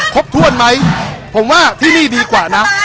ครบถ้วนไหมผมว่าที่นี่ดีกว่านะ